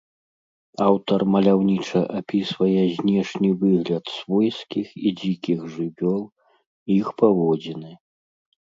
Аўтар маляўніча апісвае знешні выгляд свойскіх і дзікіх жывёл, іх паводзіны.